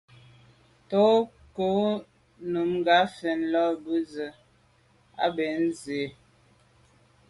Tɔ̌ ngɔ́ nùngà mfɛ̀n lá bə́ zə̄ à’ bə́ á dʉ̀’ nsí.